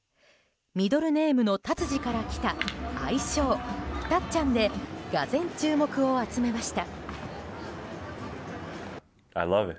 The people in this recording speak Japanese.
ミドルネームの達治から来た愛称たっちゃんで俄然、注目を集めました。